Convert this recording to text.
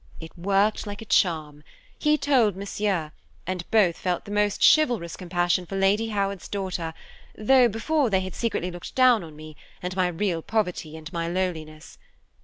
It worked like a charm; he told Monsieur, and both felt the most chivalrous compassion for Lady Howard's daughter, though before they had secretly looked down on me, and my real poverty and my lowliness.